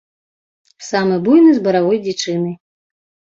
Самы буйны з баравой дзічыны.